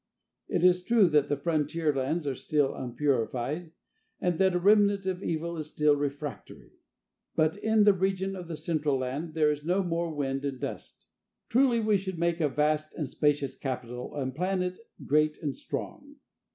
It is true that the frontier lands are still unpurified, and that a remnant of evil is still refractory. But in the region of the Central Land there is no more wind and dust. Truly we should make a vast and spacious capital and plan it great and strong.